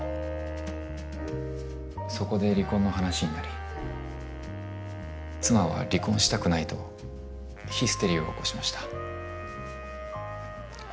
そこで離婚の話になり妻は離婚したくないとヒステリーを起こしました。